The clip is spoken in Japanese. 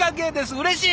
うれしい！